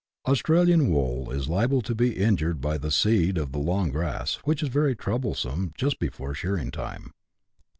Australian wool is liable to be injured by the seed of the long grass, which is very troublesome just before shearing time.